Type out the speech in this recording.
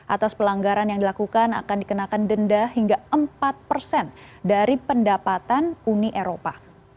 atas pelanggaran yang dilakukan akan dikenakan denda hingga empat persen dari pendapatan uni eropa